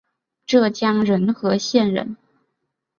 浙江仁和县人。